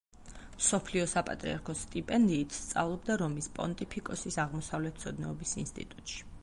მსოფლიო საპატრიარქოს სტიპენდიით სწავლობდა რომის პონტიფიკოსის აღმოსავლეთმცოდნეობის ინსტიტუტში.